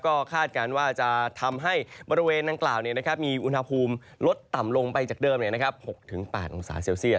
ก็คาดการณ์ว่าจะทำให้บริเวณดังกล่าวมีอุณหภูมิลดต่ำลงไปจากเดิม๖๘องศาเซลเซียต